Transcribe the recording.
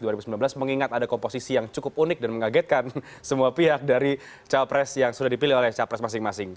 kami akan menjelang di pres dua ribu sembilan belas mengingat ada komposisi yang cukup unik dan mengagetkan semua pihak dari cawapres yang sudah dipilih oleh cawapres masing masing